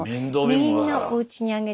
みんなおうちに上げて。